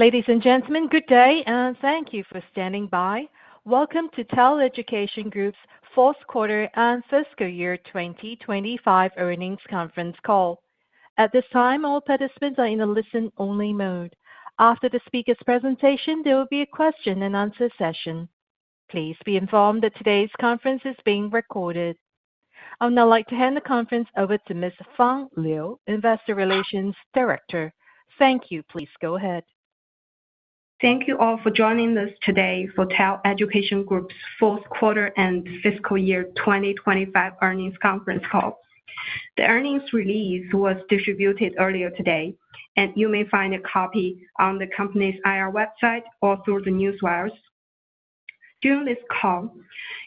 Ladies and gentlemen, good day, and thank you for standing by. Welcome to TAL Education Group's Fourth Quarter and Fiscal Year 2025 Earnings Conference Call. At this time, all participants are in a listen-only mode. After the speakers' presentation, there will be a question-and-answer session. Please be informed that today's conference is being recorded. I would now like to hand the conference over to Ms. Fang Liu, Investor Relations Director. Thank you. Please go ahead. Thank you all for joining us today for TAL Education Group's Fourth Quarter and Fiscal Year 2025 Earnings Conference Call. The earnings release was distributed earlier today, and you may find a copy on the company's IR website or through the news wires. During this call,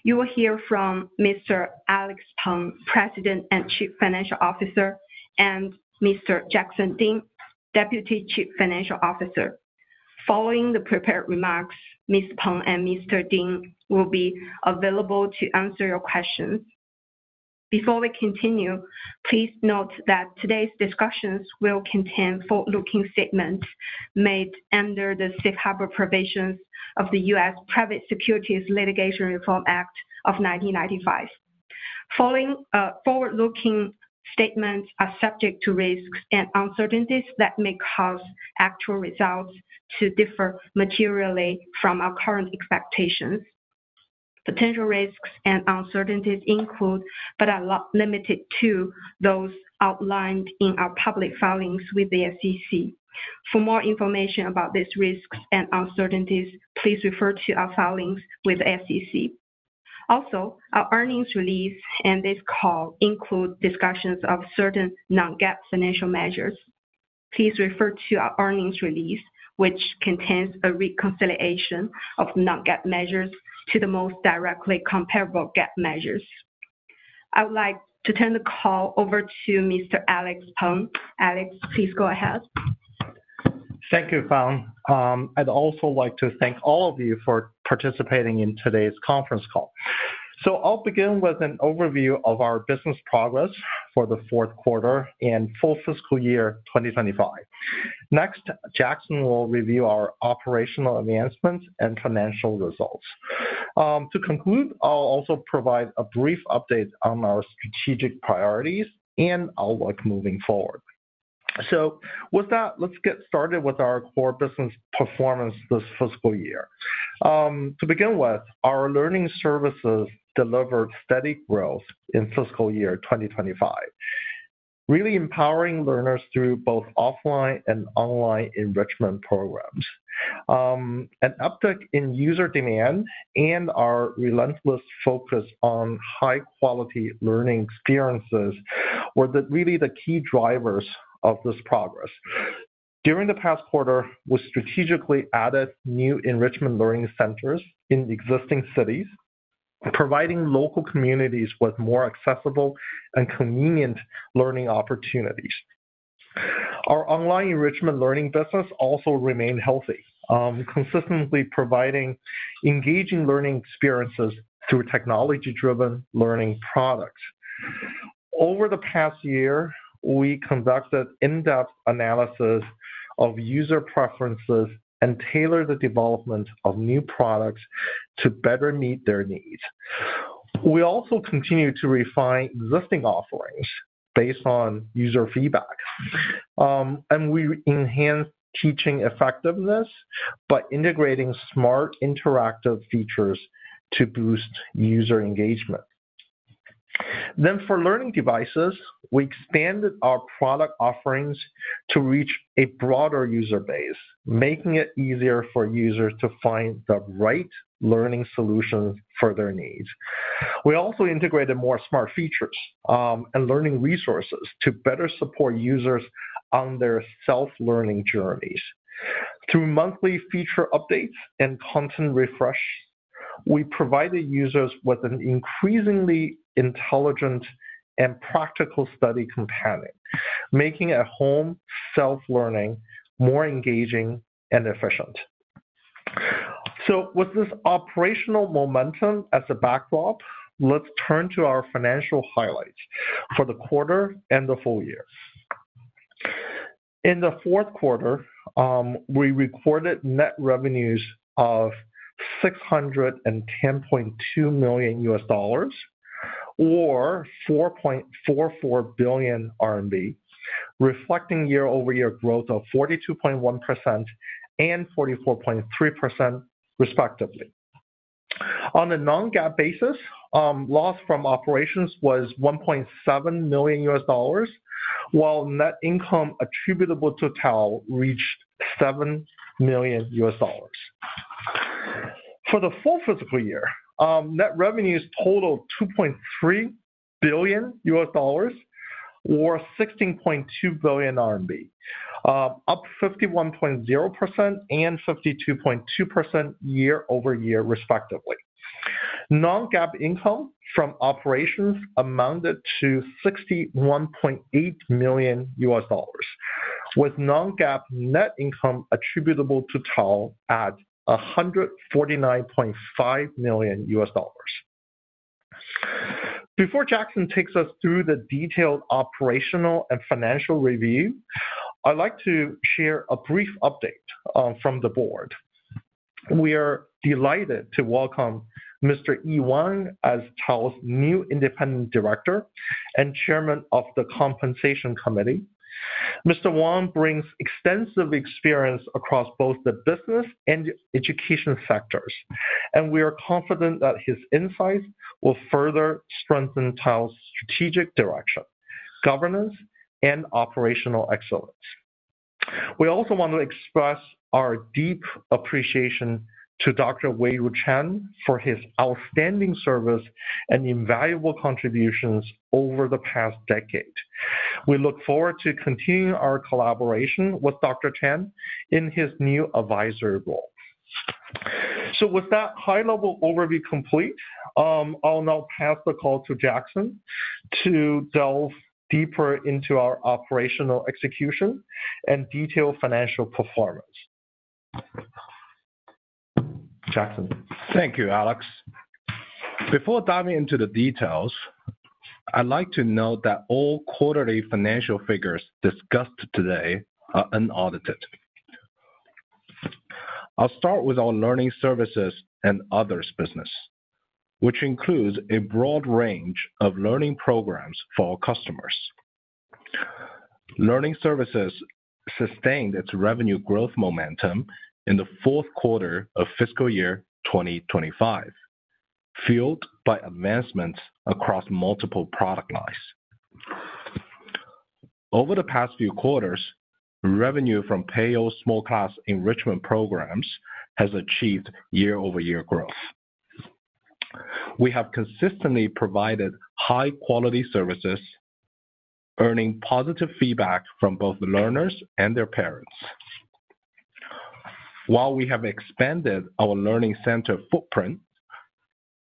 you will hear from Mr. Alex Peng, President and Chief Financial Officer, and Mr. Jackson Ding, Deputy Chief Financial Officer. Following the prepared remarks, Mr. Peng and Mr. Ding will be available to answer your questions. Before we continue, please note that today's discussions will contain forward-looking statements made under the safe harbor provisions of the U.S. Private Securities Litigation Reform Act of 1995. Forward-looking statements are subject to risks and uncertainties that may cause actual results to differ materially from our current expectations. Potential risks and uncertainties include, but are not limited to, those outlined in our public filings with the SEC. For more information about these risks and uncertainties, please refer to our filings with the SEC. Also, our earnings release and this call include discussions of certain non-GAAP financial measures. Please refer to our earnings release, which contains a reconciliation of non-GAAP measures to the most directly comparable GAAP measures. I would like to turn the call over to Mr. Alex Peng. Alex, please go ahead. Thank you, Fang. I'd also like to thank all of you for participating in today's conference call. I'll begin with an overview of our business progress for the fourth quarter and full fiscal year 2025. Next, Jackson will review our operational advancements and financial results. To conclude, I'll also provide a brief update on our strategic priorities and outlook moving forward. With that, let's get started with our core business performance this fiscal year. To begin with, our learning services delivered steady growth in fiscal year 2025, really empowering learners through both offline and online enrichment programs. An uptick in user demand and our relentless focus on high-quality learning experiences were really the key drivers of this progress. During the past quarter, we strategically added new enrichment learning centers in existing cities, providing local communities with more accessible and convenient learning opportunities. Our online enrichment learning business also remained healthy, consistently providing engaging learning experiences through technology-driven learning products. Over the past year, we conducted in-depth analysis of user preferences and tailored the development of new products to better meet their needs. We also continue to refine existing offerings based on user feedback, and we enhanced teaching effectiveness by integrating smart interactive features to boost user engagement. For learning devices, we expanded our product offerings to reach a broader user base, making it easier for users to find the right learning solutions for their needs. We also integrated more smart features and learning resources to better support users on their self-learning journeys. Through monthly feature updates and content refreshes, we provided users with an increasingly intelligent and practical study companion, making at-home self-learning more engaging and efficient. With this operational momentum as a backdrop, let's turn to our financial highlights for the quarter and the full year. In the fourth quarter, we recorded net revenues of $610.2 million, or RMB 4.44 billion, reflecting year-over-year growth of 42.1% and 44.3%, respectively. On a non-GAAP basis, loss from operations was $1.7 million, while net income attributable to TAL reached $7 million. For the full fiscal year, net revenues totaled $2.3 billion, or 16.2 billion RMB, up 51.0% and 52.2% year-over-year, respectively. Non-GAAP income from operations amounted to $61.8 million, with non-GAAP net income attributable to TAL at $149.5 million. Before Jackson takes us through the detailed operational and financial review, I'd like to share a brief update from the board. We are delighted to welcome Mr. Yi Wang as TAL's new independent director and chairman of the Compensation Committee. Mr. Wang brings extensive experience across both the business and education sectors, and we are confident that his insights will further strengthen TAL's strategic direction, governance, and operational excellence. We also want to express our deep appreciation to Dr. Weiru Chen for his outstanding service and invaluable contributions over the past decade. We look forward to continuing our collaboration with Dr. Chen in his new advisory role. With that high-level overview complete, I'll now pass the call to Jackson to delve deeper into our operational execution and detailed financial performance. Jackson. Thank you, Alex. Before diving into the details, I'd like to note that all quarterly financial figures discussed today are unaudited. I'll start with our learning services and others business, which includes a broad range of learning programs for our customers. Learning services sustained its revenue growth momentum in the fourth quarter of fiscal year 2025, fueled by advancements across multiple product lines. Over the past few quarters, revenue from Peiyou small class enrichment programs has achieved year-over-year growth. We have consistently provided high-quality services, earning positive feedback from both learners and their parents. While we have expanded our learning center footprint,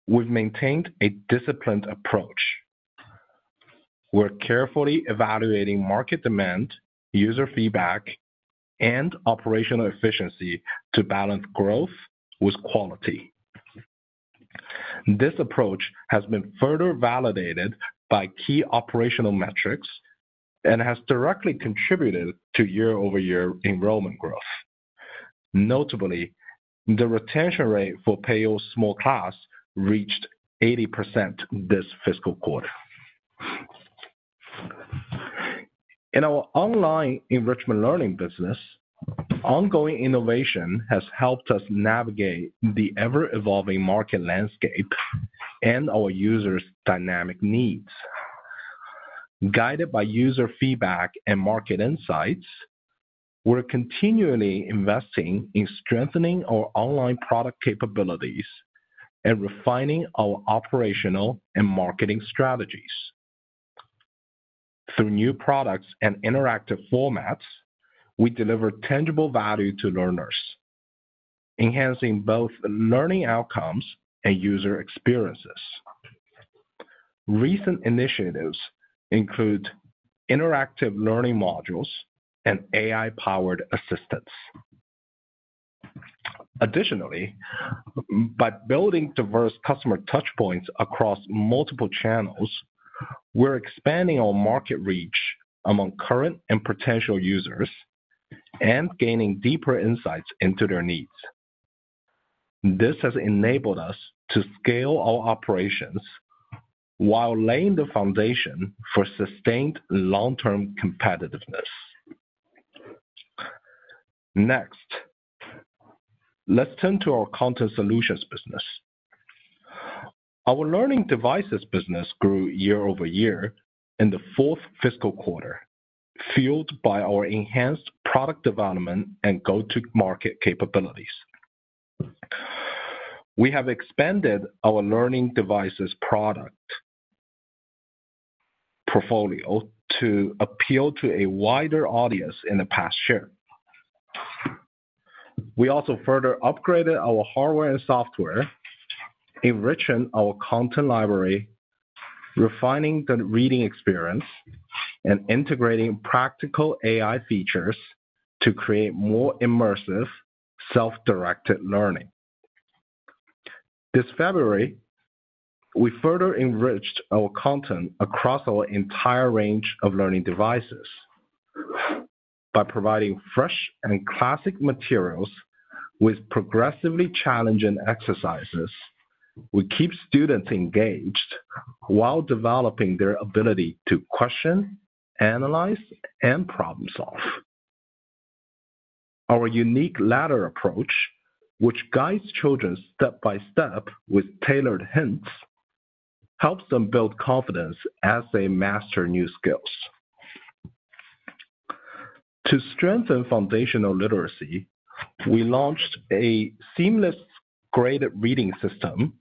we've maintained a disciplined approach. We're carefully evaluating market demand, user feedback, and operational efficiency to balance growth with quality. This approach has been further validated by key operational metrics and has directly contributed to year-over-year enrollment growth. Notably, the retention rate for Peiyou small class reached 80% this fiscal quarter. In our online enrichment learning business, ongoing innovation has helped us navigate the ever-evolving market landscape and our users' dynamic needs. Guided by user feedback and market insights, we're continually investing in strengthening our online product capabilities and refining our operational and marketing strategies. Through new products and interactive formats, we deliver tangible value to learners, enhancing both learning outcomes and user experiences. Recent initiatives include interactive learning modules and AI-powered assistants. Additionally, by building diverse customer touchpoints across multiple channels, we're expanding our market reach among current and potential users and gaining deeper insights into their needs. This has enabled us to scale our operations while laying the foundation for sustained long-term competitiveness. Next, let's turn to our content solutions business. Our learning devices business grew year-over-year in the fourth fiscal quarter, fueled by our enhanced product development and go-to-market capabilities. We have expanded our learning devices product portfolio to appeal to a wider audience in the past year. We also further upgraded our hardware and software, enriching our content library, refining the reading experience, and integrating practical AI features to create more immersive, self-directed learning. This February, we further enriched our content across our entire range of learning devices. By providing fresh and classic materials with progressively challenging exercises, we keep students engaged while developing their ability to question, analyze, and problem-solve. Our unique ladder approach, which guides children step by step with tailored hints, helps them build confidence as they master new skills. To strengthen foundational literacy, we launched a seamless graded reading system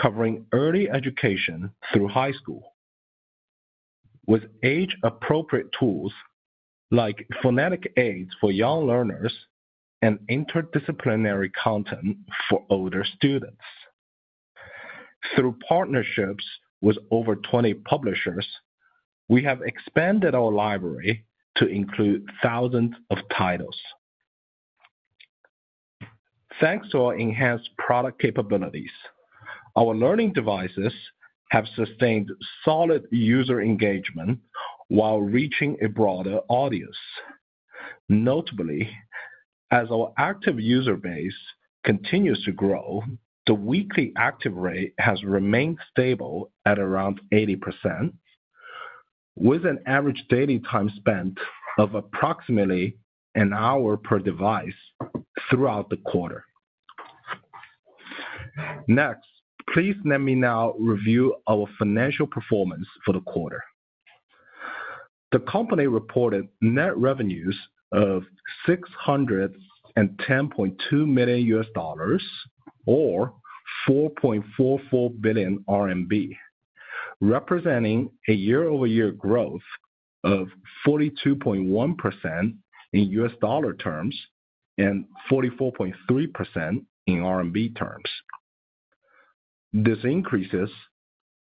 covering early education through high school, with age-appropriate tools like phonetic aids for young learners and interdisciplinary content for older students. Through partnerships with over 20 publishers, we have expanded our library to include thousands of titles. Thanks to our enhanced product capabilities, our learning devices have sustained solid user engagement while reaching a broader audience. Notably, as our active user base continues to grow, the weekly active rate has remained stable at around 80%, with an average daily time spent of approximately an hour per device throughout the quarter. Next, please let me now review our financial performance for the quarter. The company reported net revenues of $610.2 million, or RMB 4.44 billion, representing a year-over-year growth of 42.1% in US dollar terms and 44.3% in RMB terms. These increases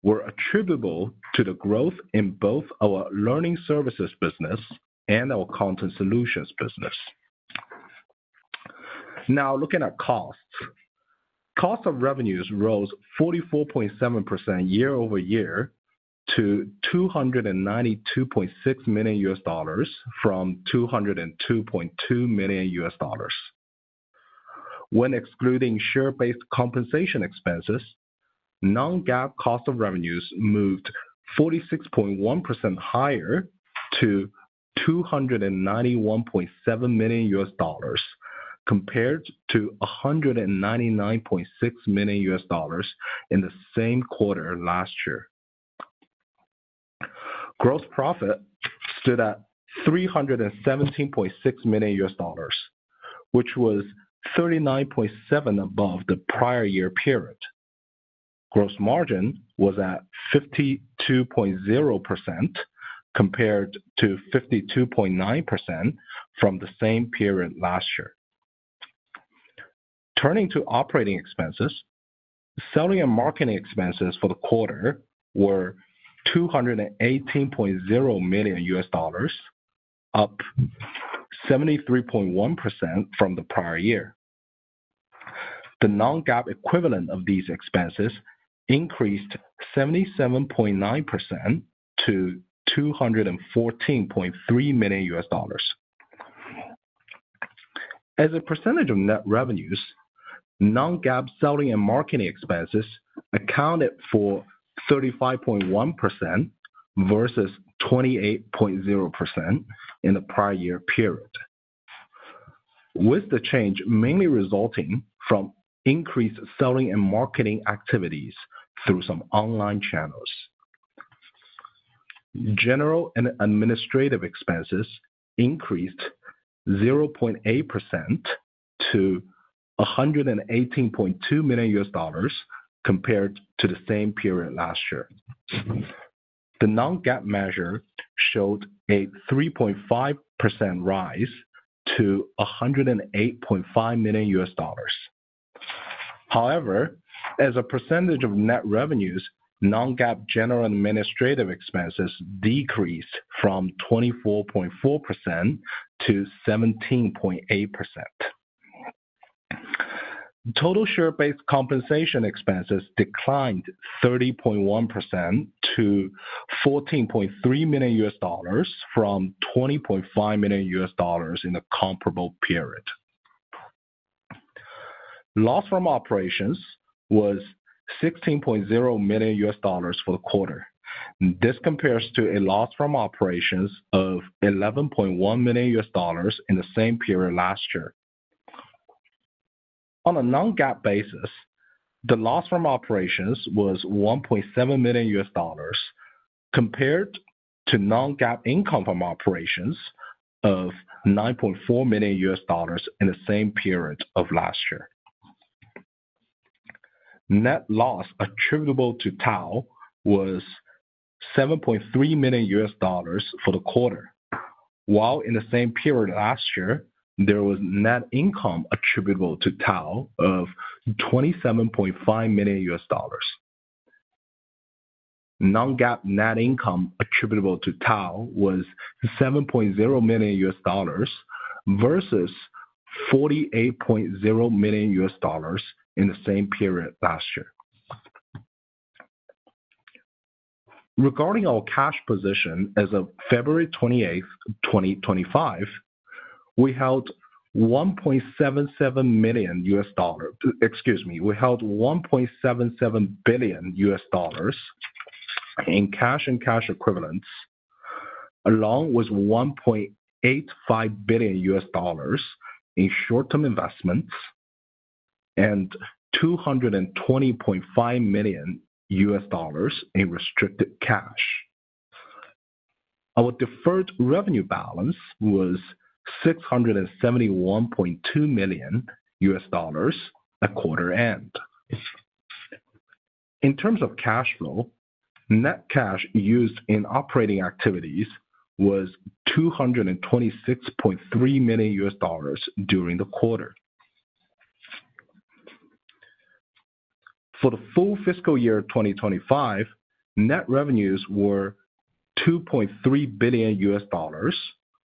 were attributable to the growth in both our learning services business and our content solutions business. Now, looking at costs, cost of revenues rose 44.7% year-over-year to $292.6 million from $202.2 million. When excluding share-based compensation expenses, non-GAAP cost of revenues moved 46.1% higher to $291.7 million compared to $199.6 million in the same quarter last year. Gross profit stood at $317.6 million, which was 39.7% above the prior year period. Gross margin was at 52.0% compared to 52.9% from the same period last year. Turning to operating expenses, selling and marketing expenses for the quarter were $218.0 million, up 73.1% from the prior year. The non-GAAP equivalent of these expenses increased 77.9% to $214.3 million. As a percentage of net revenues, non-GAAP selling and marketing expenses accounted for 35.1% versus 28.0% in the prior year period, with the change mainly resulting from increased selling and marketing activities through some online channels. General and administrative expenses increased 0.8% to $118.2 million compared to the same period last year. The non-GAAP measure showed a 3.5% rise to $108.5 million. However, as a percentage of net revenues, non-GAAP general and administrative expenses decreased from 24.4% to 17.8%. Total share-based compensation expenses declined 30.1% to $14.3 million from $20.5 million in a comparable period. Loss from operations was $16.0 million for the quarter. This compares to a loss from operations of $11.1 million in the same period last year. On a non-GAAP basis, the loss from operations was $1.7 million compared to non-GAAP income from operations of $9.4 million in the same period of last year. Net loss attributable to TAL was $7.3 million for the quarter, while in the same period last year, there was net income attributable to TAL of $27.5 million. Non-GAAP net income attributable to TAL was $7.0 million versus $48.0 million in the same period last year. Regarding our cash position as of February 28, 2025, we held $1.77 billion in cash and cash equivalents, along with $1.85 billion in short-term investments and $220.5 million in restricted cash. Our deferred revenue balance was $671.2 million at quarter end. In terms of cash flow, net cash used in operating activities was $226.3 million during the quarter. For the full fiscal year 2025, net revenues were $2.3 billion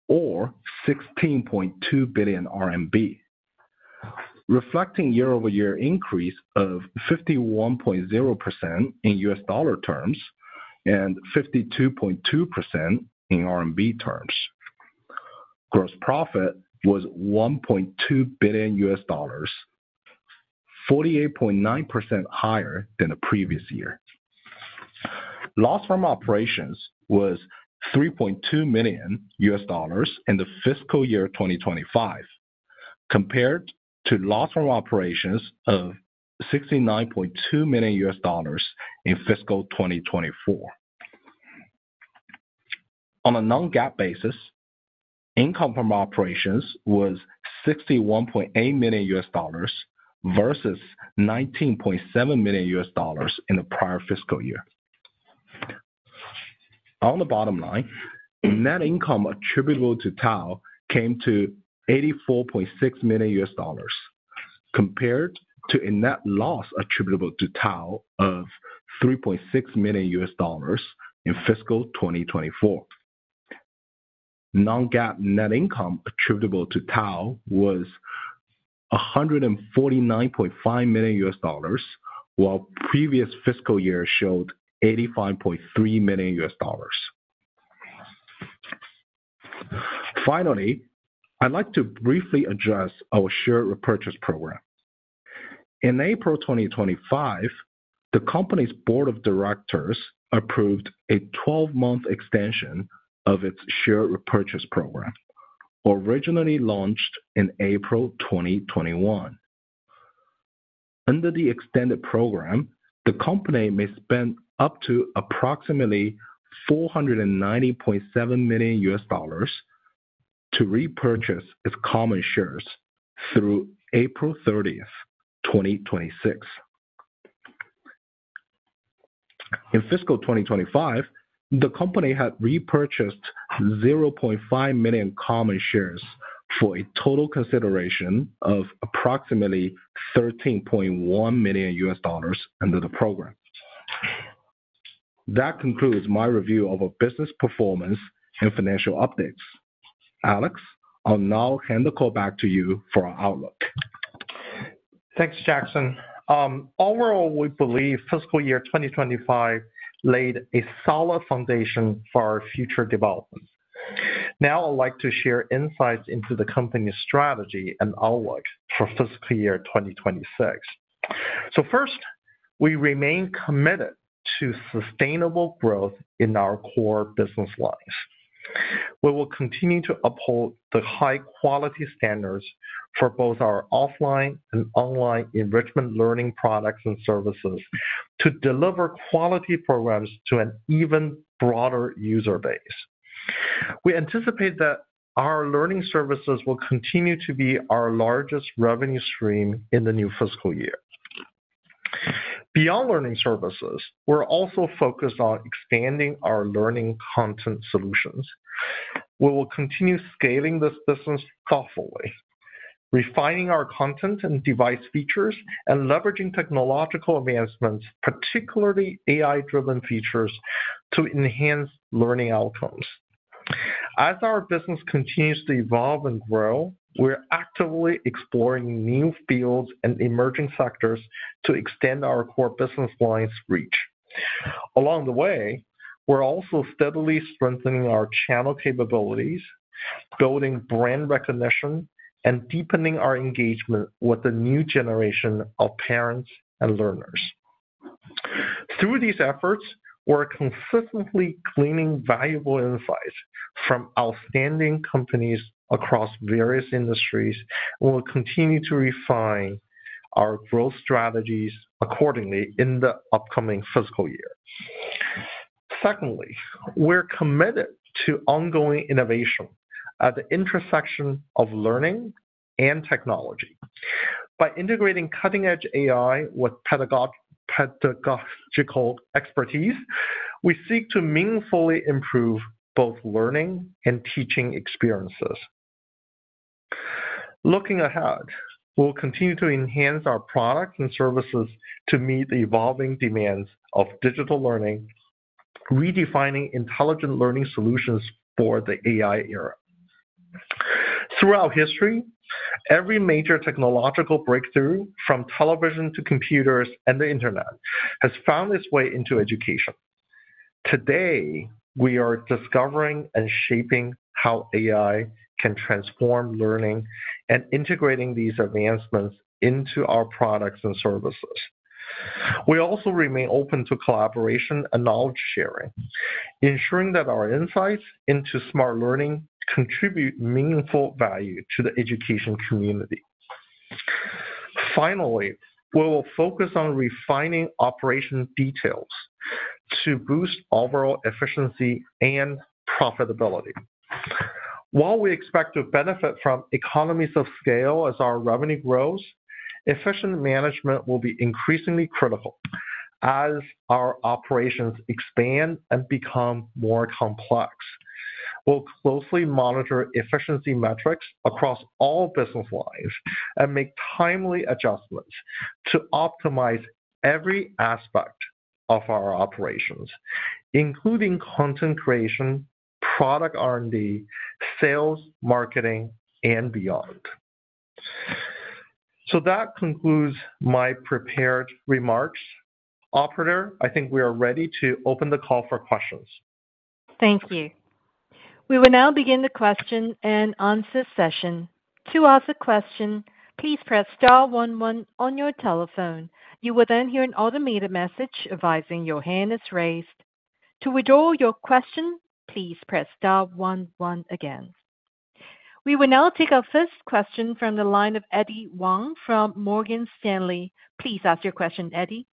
or RMB 16.2 billion, reflecting year-over-year increase of 51.0% in U.S. dollar terms and 52.2% in RMB terms. Gross profit was $1.2 billion, 48.9% higher than the previous year. Loss from operations was $3.2 million in the fiscal year 2025, compared to loss from operations of $69.2 million in fiscal 2024. On a non-GAAP basis, income from operations was $61.8 million versus $19.7 million in the prior fiscal year. On the bottom line, net income attributable to TAL came to $84.6 million, compared to a net loss attributable to TAL of $3.6 million in fiscal 2024. Non-GAAP net income attributable to TAL was $149.5 million, while previous fiscal year showed $85.3 million. Finally, I'd like to briefly address our share repurchase program. In April 2025, the company's board of directors approved a 12-month extension of its share repurchase program, originally launched in April 2021. Under the extended program, the company may spend up to approximately $490.7 million to repurchase its common shares through April 30th, 2026. In fiscal 2025, the company had repurchased 0.5 million common shares for a total consideration of approximately $13.1 million under the program. That concludes my review of our business performance and financial updates. Alex, I'll now hand the call back to you for our outlook. Thanks, Jackson. Overall, we believe fiscal year 2025 laid a solid foundation for our future developments. Now, I'd like to share insights into the company's strategy and outlook for fiscal year 2026. First, we remain committed to sustainable growth in our core business lines. We will continue to uphold the high-quality standards for both our offline and online enrichment learning products and services to deliver quality programs to an even broader user base. We anticipate that our learning services will continue to be our largest revenue stream in the new fiscal year. Beyond learning services, we're also focused on expanding our learning content solutions. We will continue scaling this business thoughtfully, refining our content and device features, and leveraging technological advancements, particularly AI-driven features, to enhance learning outcomes. As our business continues to evolve and grow, we're actively exploring new fields and emerging sectors to extend our core business line's reach. Along the way, we're also steadily strengthening our channel capabilities, building brand recognition, and deepening our engagement with the new generation of parents and learners. Through these efforts, we're consistently gleaning valuable insights from outstanding companies across various industries, and we'll continue to refine our growth strategies accordingly in the upcoming fiscal year. Secondly, we're committed to ongoing innovation at the intersection of learning and technology. By integrating cutting-edge AI with pedagogical expertise, we seek to meaningfully improve both learning and teaching experiences. Looking ahead, we'll continue to enhance our products and services to meet the evolving demands of digital learning, redefining intelligent learning solutions for the AI era. Throughout history, every major technological breakthrough, from television to computers and the internet, has found its way into education. Today, we are discovering and shaping how AI can transform learning and integrating these advancements into our products and services. We also remain open to collaboration and knowledge sharing, ensuring that our insights into smart learning contribute meaningful value to the education community. Finally, we will focus on refining operation details to boost overall efficiency and profitability. While we expect to benefit from economies of scale as our revenue grows, efficient management will be increasingly critical as our operations expand and become more complex. We'll closely monitor efficiency metrics across all business lines and make timely adjustments to optimize every aspect of our operations, including content creation, product R&D, sales, marketing, and beyond. That concludes my prepared remarks. Operator, I think we are ready to open the call for questions. Thank you. We will now begin the question and answer session. To ask a question, please press star one one on your telephone. You will then hear an automated message advising your hand is raised. To withdraw your question, please press star one one again. We will now take our first question from the line of Eddy Wang from Morgan Stanley. Please ask your question, Eddy.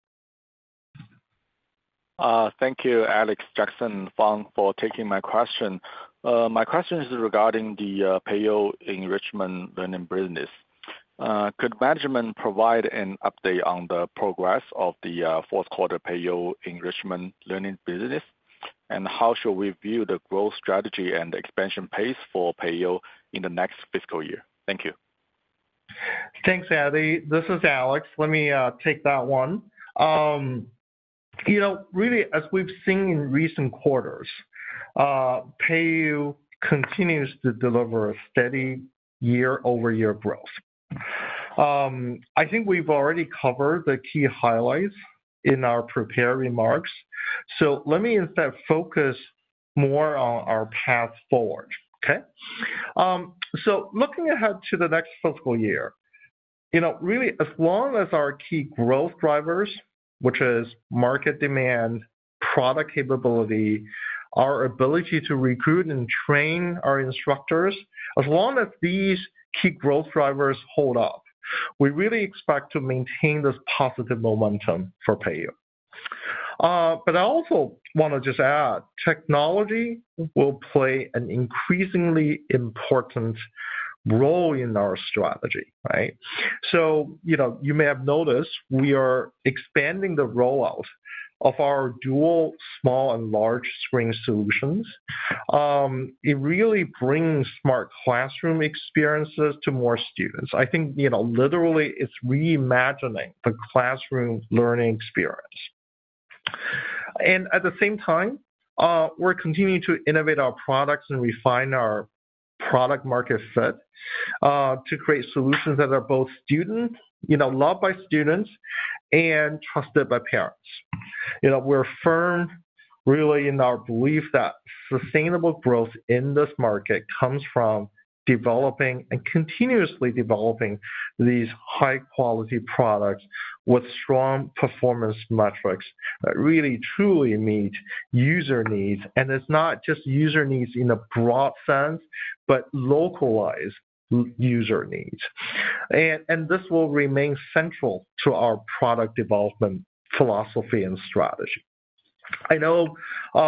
Thank you, Alex, Jackson, Fang, for taking my question. My question is regarding the Peiyou enrichment learning business. Could management provide an update on the progress of the fourth quarter Peiyou enrichment learning business, and how should we view the growth strategy and expansion pace for Peiyou in the next fiscal year? Thank you. Thanks, Eddy. This is Alex. Let me take that one. Really, as we've seen in recent quarters, Peiyou continues to deliver a steady year-over-year growth. I think we've already covered the key highlights in our prepared remarks, so let me instead focus more on our path forward. Okay. Looking ahead to the next fiscal year, really, as long as our key growth drivers, which are market demand, product capability, our ability to recruit and train our instructors, as long as these key growth drivers hold up, we really expect to maintain this positive momentum for Peiyou. I also want to just add, technology will play an increasingly important role in our strategy, right? You may have noticed we are expanding the rollout of our dual small and large screen solutions. It really brings smart classroom experiences to more students. I think, literally, it's reimagining the classroom learning experience. At the same time, we're continuing to innovate our products and refine our product-market fit to create solutions that are both loved by students and trusted by parents. We're firm, really, in our belief that sustainable growth in this market comes from developing and continuously developing these high-quality products with strong performance metrics that really, truly meet user needs. It's not just user needs in a broad sense, but localized user needs. This will remain central to our product development philosophy and strategy. I know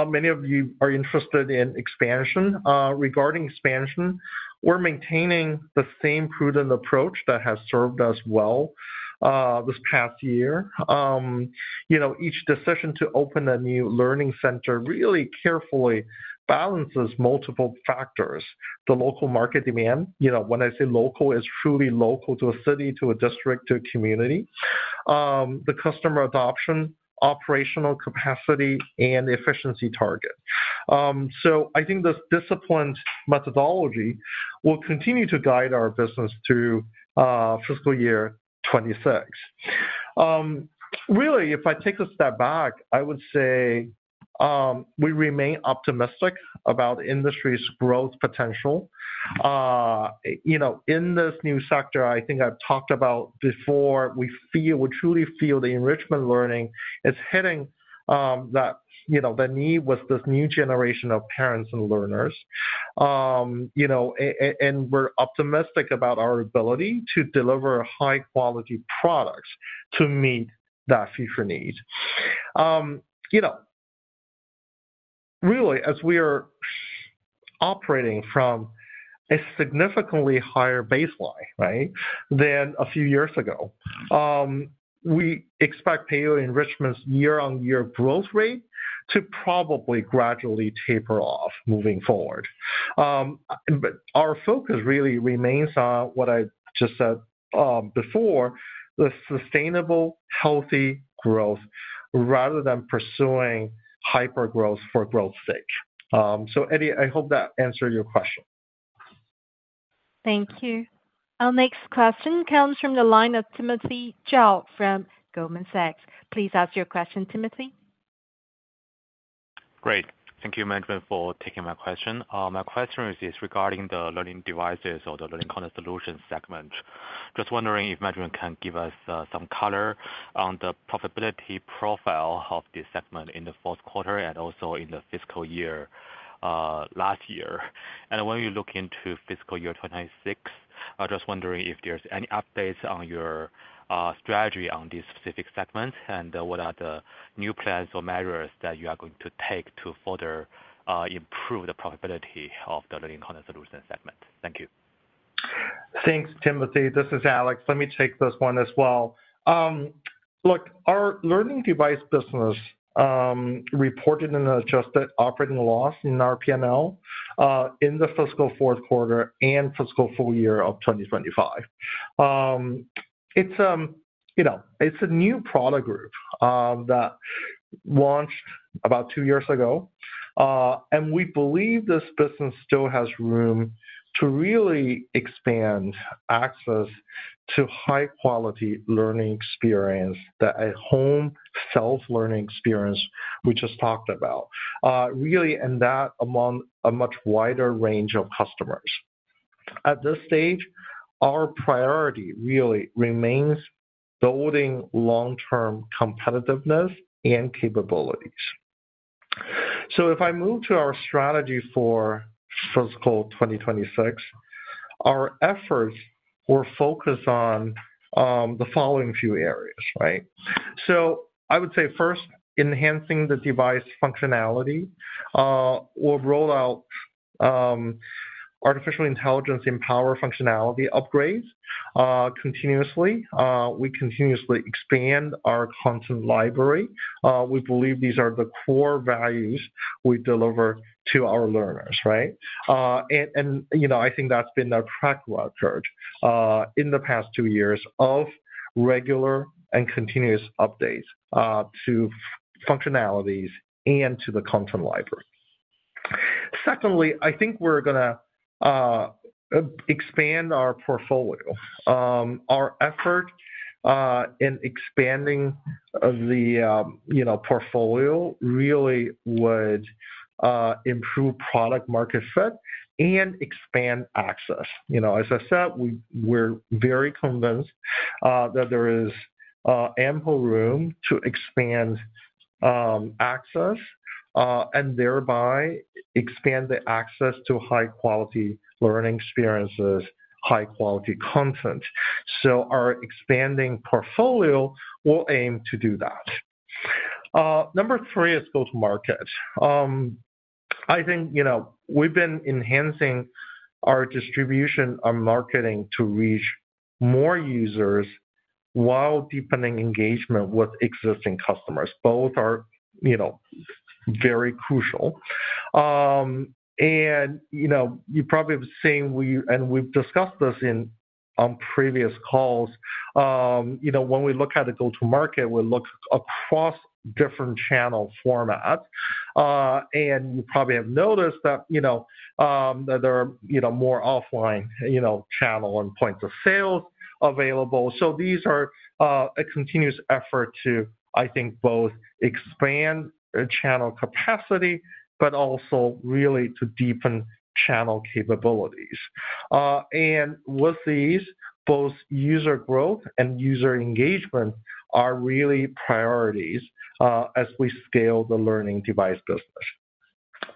many of you are interested in expansion. Regarding expansion, we're maintaining the same prudent approach that has served us well this past year. Each decision to open a new learning center really carefully balances multiple factors: the local market demand—when I say local, it's truly local to a city, to a district, to a community—the customer adoption, operational capacity, and efficiency target. I think this disciplined methodology will continue to guide our business through fiscal year 2026. Really, if I take a step back, I would say we remain optimistic about industry's growth potential. In this new sector, I think I've talked about before, we truly feel the enrichment learning is hitting the need with this new generation of parents and learners. We are optimistic about our ability to deliver high-quality products to meet that future need. Really, as we are operating from a significantly higher baseline than a few years ago, we expect Peiyou enrichment's year-on-year growth rate to probably gradually taper off moving forward. Our focus really remains on what I just said before, the sustainable, healthy growth rather than pursuing hypergrowth for growth's sake. Eddy, I hope that answered your question. Thank you. Our next question comes from the line of Timothy Zhao from Goldman Sachs. Please ask your question, Timothy. Great. Thank you, Management, for taking my question. My question is regarding the learning devices or the learning content solutions segment. Just wondering if management can give us some color on the profitability profile of this segment in the fourth quarter and also in the fiscal year last year. When you look into fiscal year 2026, I'm just wondering if there's any updates on your strategy on these specific segments and what are the new plans or measures that you are going to take to further improve the profitability of the learning content solution segment? Thank you. Thanks, Timothy. This is Alex. Let me take this one as well. Look, our learning device business reported an adjusted operating loss in our P&L in the fiscal fourth quarter and fiscal full year of 2025. It's a new product group that launched about two years ago, and we believe this business still has room to really expand access to high-quality learning experience, that at-home self-learning experience we just talked about, really, and that among a much wider range of customers. At this stage, our priority really remains building long-term competitiveness and capabilities. If I move to our strategy for fiscal 2026, our efforts were focused on the following few areas, right? I would say first, enhancing the device functionality. We'll roll out artificial intelligence and power functionality upgrades continuously. We continuously expand our content library. We believe these are the core values we deliver to our learners, right? I think that's been our track record in the past two years of regular and continuous updates to functionalities and to the content library. Secondly, I think we're going to expand our portfolio. Our effort in expanding the portfolio really would improve product-market fit and expand access. As I said, we're very convinced that there is ample room to expand access and thereby expand the access to high-quality learning experiences, high-quality content. Our expanding portfolio will aim to do that. Number three is go-to-market. I think we've been enhancing our distribution, our marketing to reach more users while deepening engagement with existing customers. Both are very crucial. You probably have seen, and we've discussed this on previous calls, when we look at a go-to-market, we look across different channel formats. You probably have noticed that there are more offline channel and points of sales available. These are a continuous effort to, I think, both expand channel capacity, but also really to deepen channel capabilities. With these, both user growth and user engagement are really priorities as we scale the learning device business.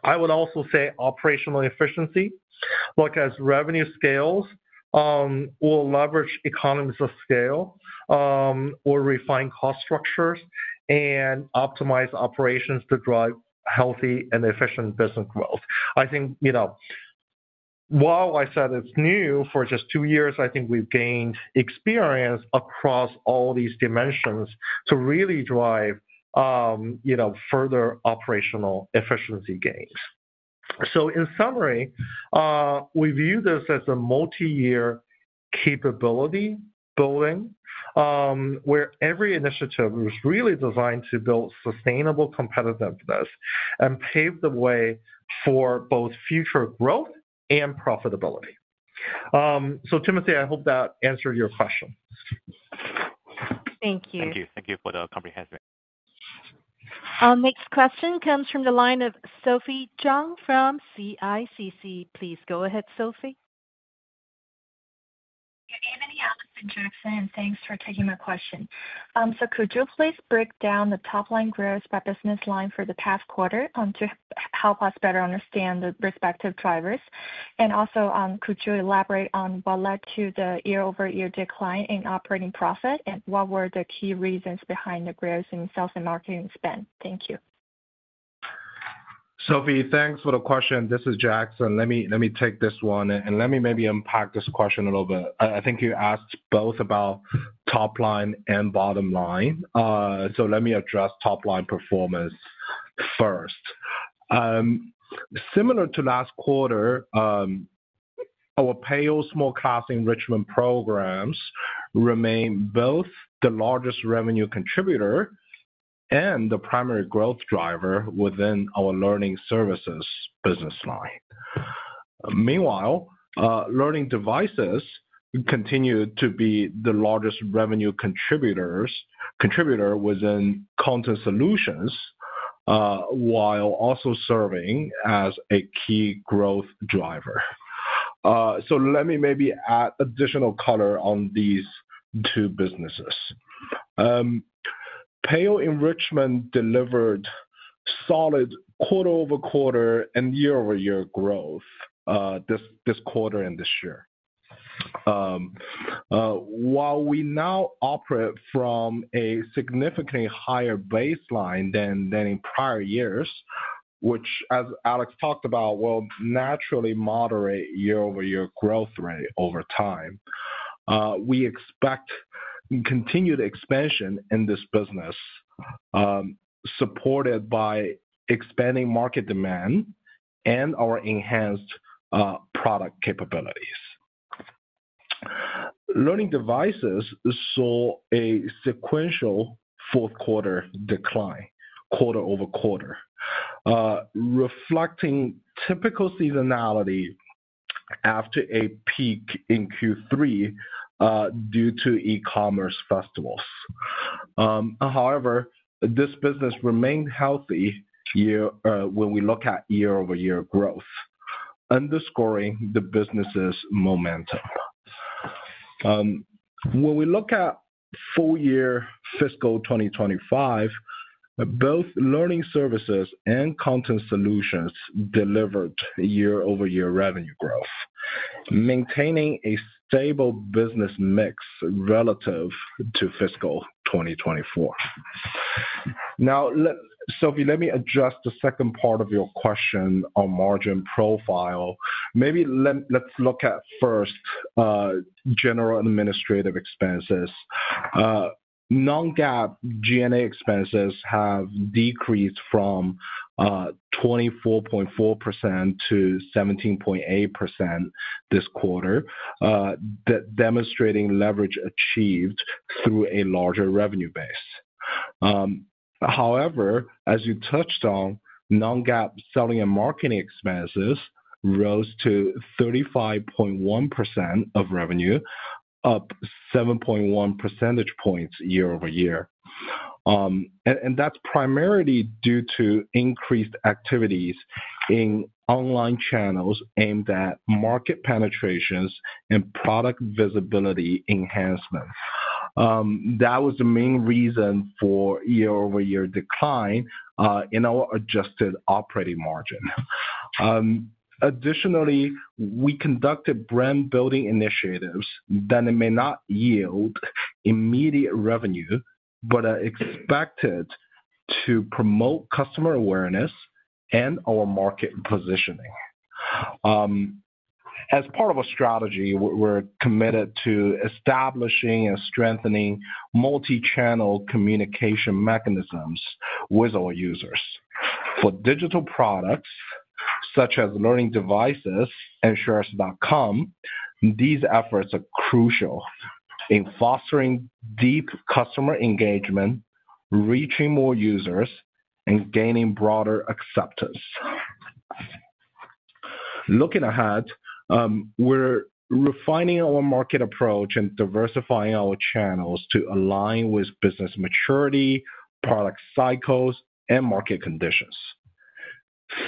I would also say operational efficiency, as revenue scales will leverage economies of scale, will refine cost structures, and optimize operations to drive healthy and efficient business growth. I think while I said it's new for just two years, I think we've gained experience across all these dimensions to really drive further operational efficiency gains. In summary, we view this as a multi-year capability building where every initiative was really designed to build sustainable competitiveness and pave the way for both future growth and profitability. Timothy, I hope that answered your question. Thank you. Thank you for the comprehensive. Our next question comes from the line of Sophie Chung from CIBC. Please go ahead, Sophie. Good evening, Alex and Jackson. Thanks for taking my question. Could you please break down the top-line growth by business line for the past quarter to help us better understand the respective drivers? Also, could you elaborate on what led to the year-over-year decline in operating profit and what were the key reasons behind the growth in sales and marketing spend? Thank you. Sophie, thanks for the question. This is Jackson. Let me take this one, and let me maybe unpack this question a little bit. I think you asked both about top-line and bottom line. Let me address top-line performance first. Similar to last quarter, our Peiyou small class enrichment programs remain both the largest revenue contributor and the primary growth driver within our learning services business line. Meanwhile, learning devices continue to be the largest revenue contributor within content solutions while also serving as a key growth driver. Let me maybe add additional color on these two businesses. Peiyou enrichment delivered solid quarter-over-quarter and year-over-year growth this quarter and this year. While we now operate from a significantly higher baseline than in prior years, which, as Alex talked about, will naturally moderate year-over-year growth rate over time, we expect continued expansion in this business supported by expanding market demand and our enhanced product capabilities. Learning devices saw a sequential fourth-quarter decline, quarter-over-quarter, reflecting typical seasonality after a peak in Q3 due to e-commerce festivals. However, this business remained healthy when we look at year-over-year growth, underscoring the business's momentum. When we look at full year fiscal 2025, both learning services and content solutions delivered year-over-year revenue growth, maintaining a stable business mix relative to fiscal 2024. Now, Sophie, let me address the second part of your question on margin profile. Maybe let's look at first general administrative expenses. Non-GAAP G&A expenses have decreased from 24.4% to 17.8% this quarter, demonstrating leverage achieved through a larger revenue base. However, as you touched on, non-GAAP selling and marketing expenses rose to 35.1% of revenue, up 7.1 percentage points year-over-year. That is primarily due to increased activities in online channels aimed at market penetrations and product visibility enhancement. That was the main reason for year-over-year decline in our adjusted operating margin. Additionally, we conducted brand-building initiatives that may not yield immediate revenue, but are expected to promote customer awareness and our market positioning. As part of our strategy, we're committed to establishing and strengthening multi-channel communication mechanisms with our users. For digital products such as learning devices and Xueersi, these efforts are crucial in fostering deep customer engagement, reaching more users, and gaining broader acceptance. Looking ahead, we're refining our market approach and diversifying our channels to align with business maturity, product cycles, and market conditions.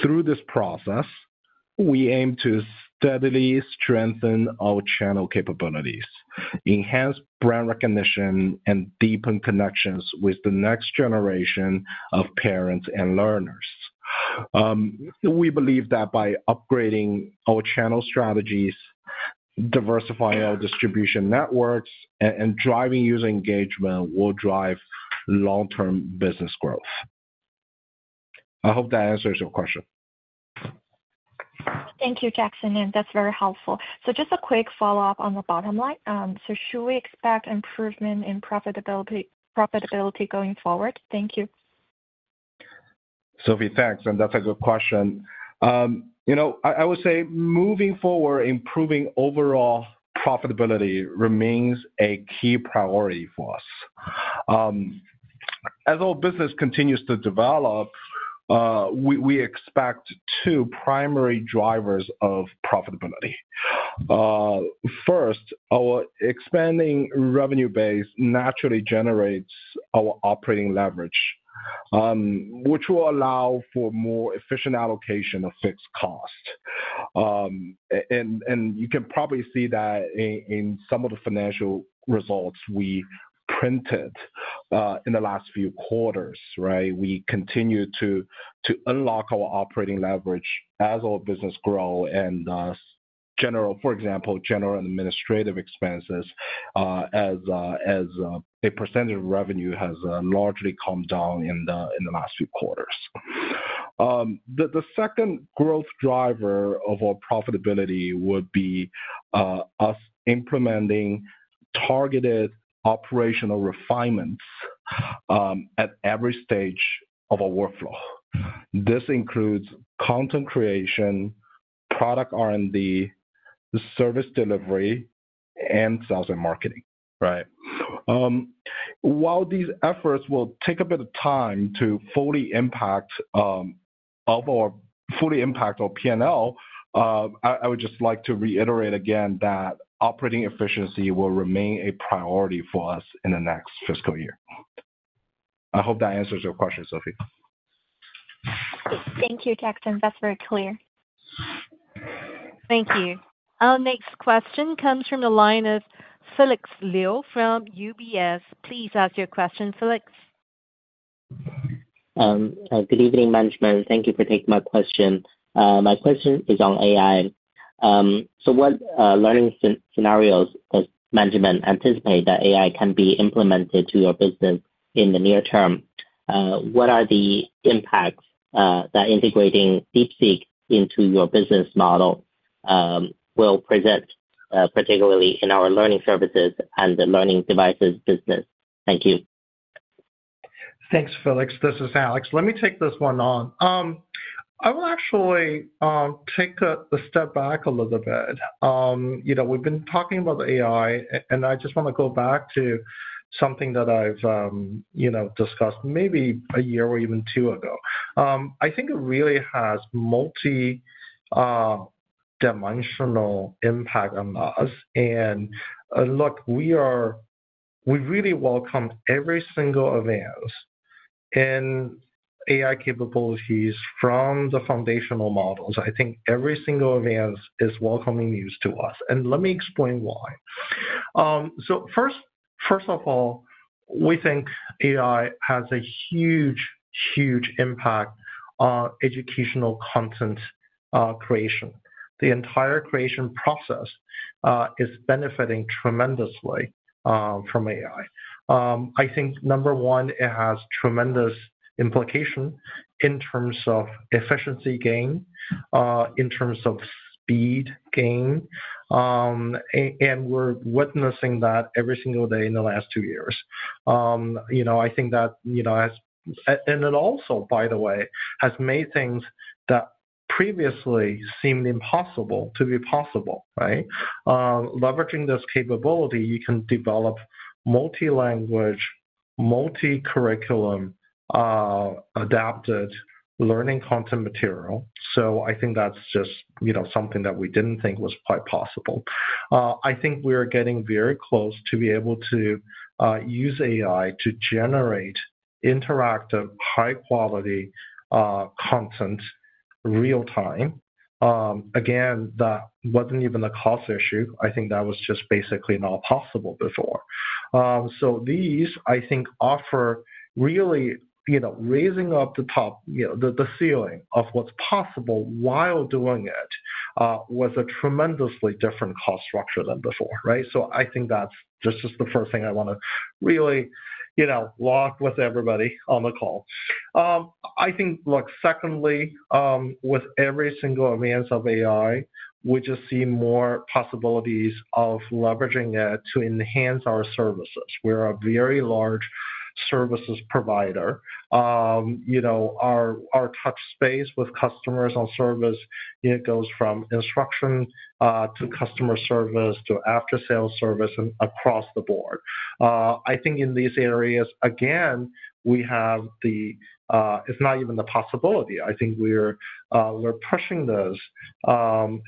Through this process, we aim to steadily strengthen our channel capabilities, enhance brand recognition, and deepen connections with the next generation of parents and learners. We believe that by upgrading our channel strategies, diversifying our distribution networks, and driving user engagement, we will drive long-term business growth. I hope that answers your question. Thank you, Jackson. That's very helpful. Just a quick follow-up on the bottom line. Should we expect improvement in profitability going forward? Thank you. Sophie, thanks. That's a good question. I would say moving forward, improving overall profitability remains a key priority for us. As our business continues to develop, we expect two primary drivers of profitability. First, our expanding revenue base naturally generates our operating leverage, which will allow for more efficient allocation of fixed costs. You can probably see that in some of the financial results we printed in the last few quarters, right? We continue to unlock our operating leverage as our business grows and, for example, general administrative expenses as a percentage of revenue has largely come down in the last few quarters. The second growth driver of our profitability would be us implementing targeted operational refinements at every stage of our workflow. This includes content creation, product R&D, service delivery, and sales and marketing, right? While these efforts will take a bit of time to fully impact our P&L, I would just like to reiterate again that operating efficiency will remain a priority for us in the next fiscal year. I hope that answers your question, Sophie. Thank you, Jackson. That's very clear. Thank you. Our next question comes from the line of Felix Liu from UBS. Please ask your question, Felix. Good evening, Management. Thank you for taking my question. My question is on AI. What learning scenarios does management anticipate that AI can be implemented to your business in the near term? What are the impacts that integrating DeepSeek into your business model will present, particularly in our learning services and the learning devices business? Thank you. Thanks, Felix. This is Alex. Let me take this one on. I will actually take a step back a little bit. We've been talking about the AI, and I just want to go back to something that I've discussed maybe a year or even two ago. I think it really has multi-dimensional impact on us. Look, we really welcome every single advance in AI capabilities from the foundational models. I think every single advance is welcoming news to us. Let me explain why. First of all, we think AI has a huge, huge impact on educational content creation. The entire creation process is benefiting tremendously from AI. I think, number one, it has tremendous implications in terms of efficiency gain, in terms of speed gain. We are witnessing that every single day in the last two years. I think that has, and it also, by the way, has made things that previously seemed impossible to be possible, right? Leveraging this capability, you can develop multi-language, multi-curriculum adapted learning content material. I think that is just something that we did not think was quite possible. I think we are getting very close to being able to use AI to generate interactive, high-quality content real-time. Again, that was not even a cost issue. I think that was just basically not possible before. These, I think, offer really raising up the ceiling of what's possible while doing it with a tremendously different cost structure than before, right? I think that's just the first thing I want to really walk with everybody on the call. I think, look, secondly, with every single advance of AI, we just see more possibilities of leveraging it to enhance our services. We're a very large services provider. Our touch space with customers on service goes from instruction to customer service to after-sales service across the board. I think in these areas, again, we have the—it's not even the possibility. I think we're pushing this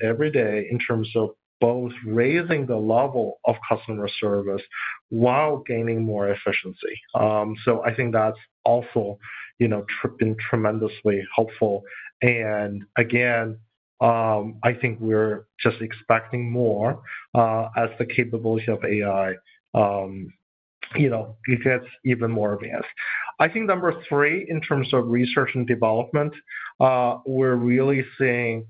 every day in terms of both raising the level of customer service while gaining more efficiency. I think that's also been tremendously helpful. Again, I think we're just expecting more as the capability of AI gets even more advanced. I think number three, in terms of research and development, we're really seeing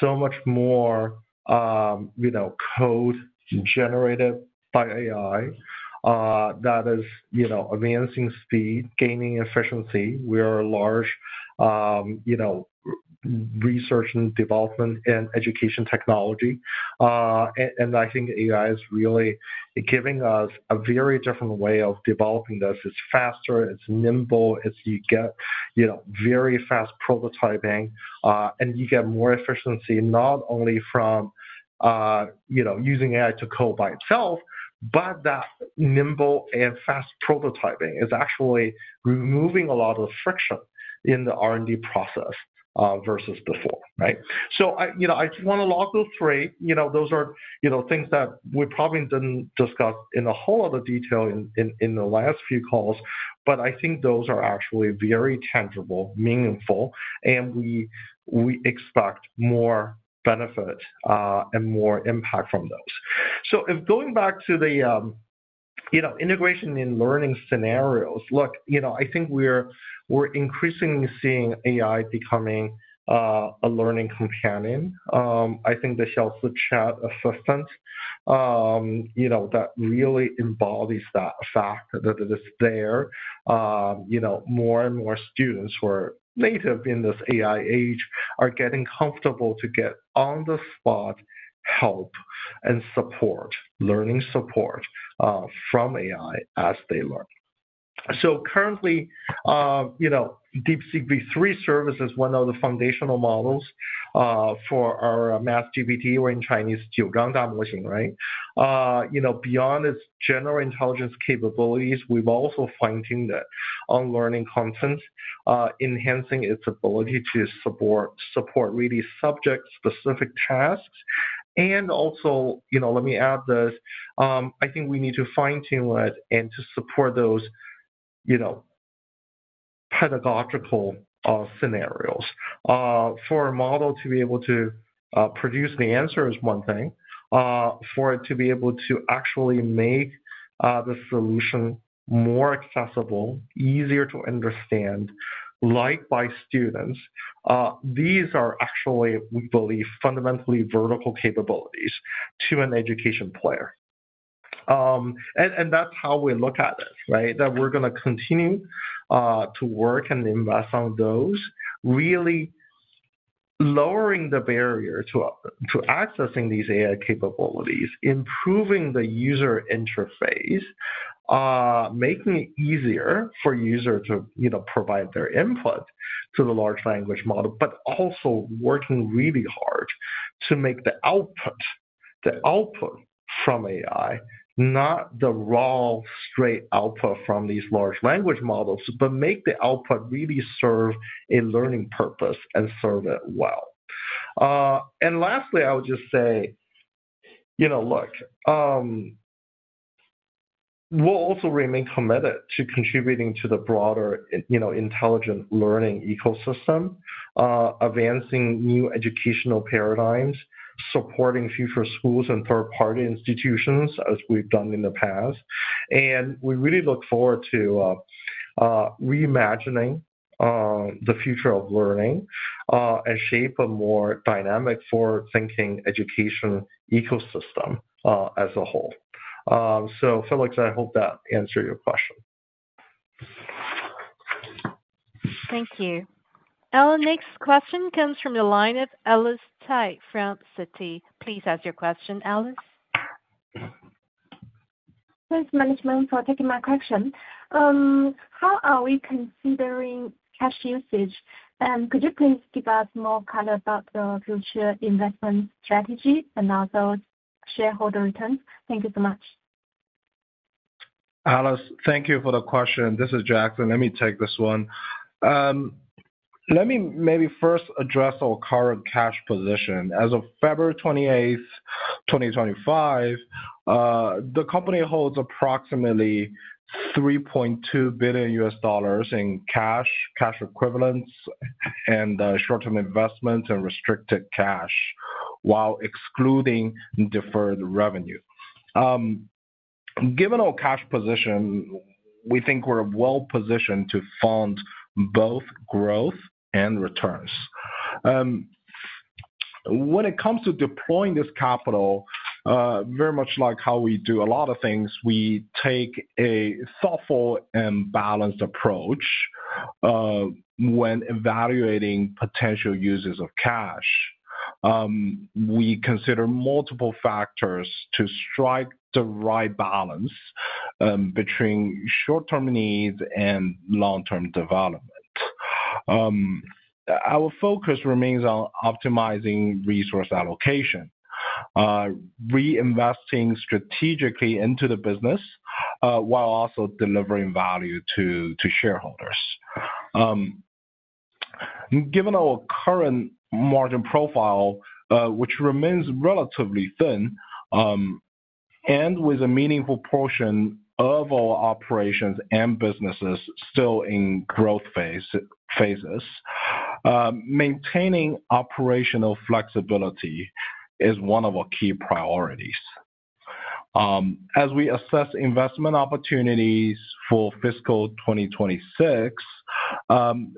so much more code generated by AI that is advancing speed, gaining efficiency. We are a large research and development and education technology. I think AI is really giving us a very different way of developing this. It's faster. It's nimble. You get very fast prototyping, and you get more efficiency not only from using AI to code by itself, but that nimble and fast prototyping is actually removing a lot of friction in the R&D process versus before, right? I just want to lock those three. Those are things that we probably didn't discuss in a whole lot of detail in the last few calls, but I think those are actually very tangible, meaningful, and we expect more benefit and more impact from those. Going back to the integration in learning scenarios, look, I think we're increasingly seeing AI becoming a learning companion. I think the Xueersi chat assistant really embodies that fact that it is there. More and more students who are native in this AI age are getting comfortable to get on-the-spot help and support, learning support from AI as they learn. Currently, DeepSeek-V3 service is one of the foundational models for our MathGPT or in Chinese Jiûzhãng Dà móxíng, right? Beyond its general intelligence capabilities, we've also fine-tuned it on learning content, enhancing its ability to support really subject-specific tasks. Also, let me add this. I think we need to fine-tune it and to support those pedagogical scenarios. For a model to be able to produce the answer is one thing. For it to be able to actually make the solution more accessible, easier to understand, liked by students, these are actually, we believe, fundamentally vertical capabilities to an education player. That is how we look at it, right? That we're going to continue to work and invest on those, really lowering the barrier to accessing these AI capabilities, improving the user interface, making it easier for users to provide their input to the large language model, but also working really hard to make the output from AI, not the raw straight output from these large language models, but make the output really serve a learning purpose and serve it well. Lastly, I would just say, look, we'll also remain committed to contributing to the broader intelligent learning ecosystem, advancing new educational paradigms, supporting future schools and third-party institutions as we've done in the past. We really look forward to reimagining the future of learning and shape a more dynamic forward-thinking education ecosystem as a whole. Felix, I hope that answered your question. Thank you. Our next question comes from the line of Alice Cai, from Citi. Please ask your question, Alice. Thanks, Management, for taking my question. How are we considering cash usage? Could you please give us more color about the future investment strategy and also shareholder returns? Thank you so much. Alice, thank you for the question. This is Jackson. Let me take this one. Let me maybe first address our current cash position. As of February 28, 2025, the company holds approximately $3.2 billion in cash, cash equivalents, and short-term investments and restricted cash, while excluding deferred revenue. Given our cash position, we think we are well-positioned to fund both growth and returns. When it comes to deploying this capital, very much like how we do a lot of things, we take a thoughtful and balanced approach when evaluating potential uses of cash. We consider multiple factors to strike the right balance between short-term needs and long-term development. Our focus remains on optimizing resource allocation, reinvesting strategically into the business while also delivering value to shareholders. Given our current margin profile, which remains relatively thin and with a meaningful portion of our operations and businesses still in growth phases, maintaining operational flexibility is one of our key priorities. As we assess investment opportunities for fiscal 2026,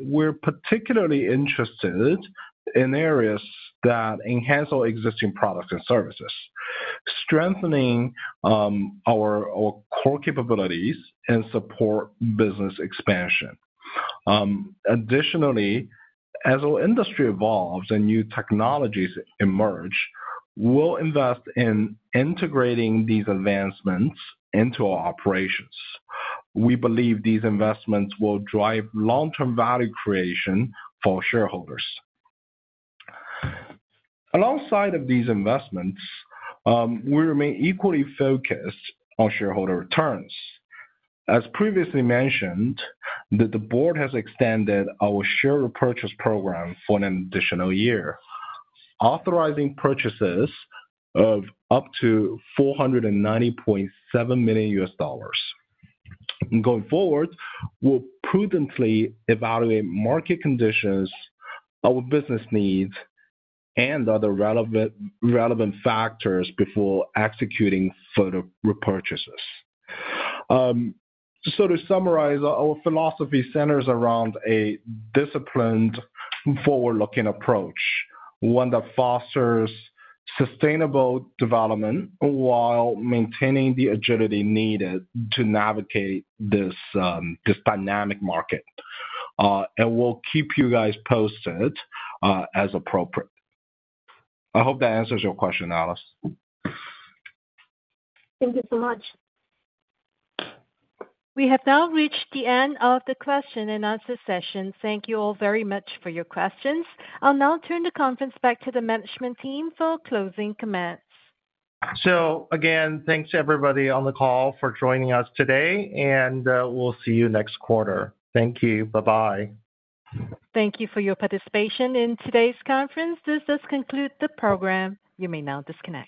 we're particularly interested in areas that enhance our existing products and services, strengthening our core capabilities and support business expansion. Additionally, as our industry evolves and new technologies emerge, we'll invest in integrating these advancements into our operations. We believe these investments will drive long-term value creation for shareholders. Alongside of these investments, we remain equally focused on shareholder returns. As previously mentioned, the board has extended our share repurchase program for an additional year, authorizing purchases of up to $490.7 million. Going forward, we'll prudently evaluate market conditions, our business needs, and other relevant factors before executing further repurchases. To summarize, our philosophy centers around a disciplined, forward-looking approach, one that fosters sustainable development while maintaining the agility needed to navigate this dynamic market. We'll keep you guys posted as appropriate. I hope that answers your question, Alice. Thank you so much. We have now reached the end of the question and answer session. Thank you all very much for your questions. I'll now turn the conference back to the management team for closing comments. Again, thanks everybody on the call for joining us today, and we'll see you next quarter. Thank you. Bye-bye. Thank you for your participation in today's conference. This does conclude the program. You may now disconnect.